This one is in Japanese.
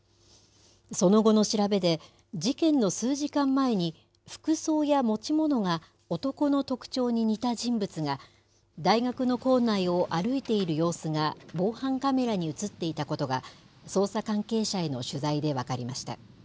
その後の調べで、事件の数時間前に、服装や持ち物が、男の特徴に似た人物が、大学の構内を歩いている様子が、防犯カメラに写っていたことが、捜査関係者への取材で分かりました。